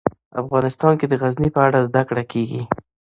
افغانستان کې د غزني په اړه زده کړه کېږي.